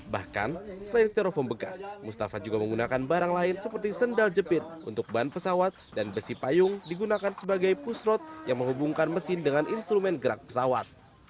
bahkan selain sterofom bekas mustafa juga menggunakan barang lain seperti sendal jepit untuk ban pesawat dan besi payung digunakan sebagai pusrot yang menghubungkan mesin dengan instrumen gerak pesawat